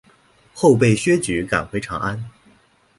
后被薛举赶回长安。